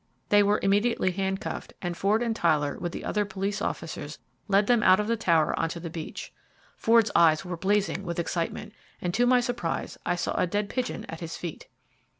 They were immediately handcuffed, and Ford and Tyler with the other police officers led them out of the tower on to the beach. Ford's eyes were blazing with excitement, and to my surprise I saw a dead pigeon at his feet.